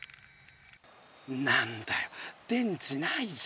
何だよ電池ないじゃん。